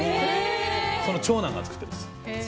その長男が作っています。